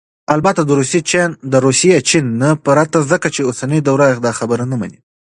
البته دروسي ، چين ... نه پرته ، ځكه چې اوسنى دور داخبره مني